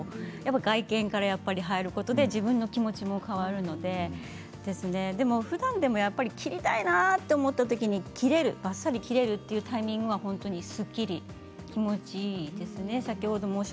外見から入ることで自分の気持ちも変わるのでふだんでも切りたいなと思ったときにばっさり切ることができるタイミングはすっきりと気持ちいいですね。